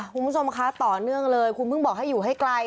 คุณผู้ชมคะต่อเนื่องเลยคุณเพิ่งบอกให้อยู่ให้ไกล